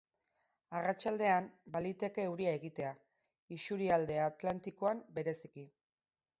Arratsaldean, baliteke euria egitea, isurialde atlantikoan bereziki.